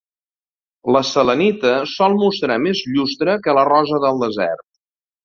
La selenita sol mostrar més llustre que la rosa del desert.